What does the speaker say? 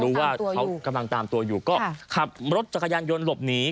รู้ว่าเขากำลังตามตัวอยู่ก็ขับรถจักรยานยนต์หลบหนี